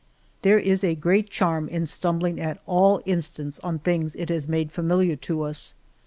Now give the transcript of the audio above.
There is a great charm in stumbling at all instants on things it has made familiar to us.